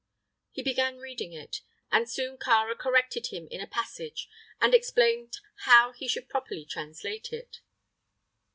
He began reading it, and soon Kāra corrected him in a passage and explained how he should properly translate it.